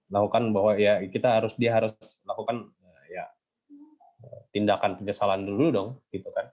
lakukan bahwa ya kita harus lakukan ya tindakan penyesalan dulu dong gitu kan